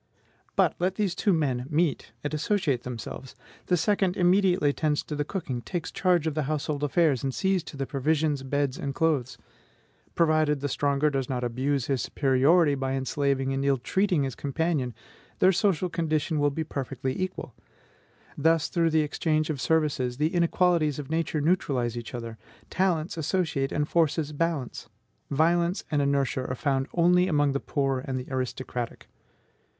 But let these two men meet and associate themselves: the second immediately attends to the cooking, takes charge of the household affairs, and sees to the provisions, beds, and clothes; provided the stronger does not abuse his superiority by enslaving and ill treating his companion, their social condition will be perfectly equal. Thus, through exchange of services, the inequalities of Nature neutralize each other, talents associate, and forces balance. Violence and inertia are found only among the poor and the aristocratic.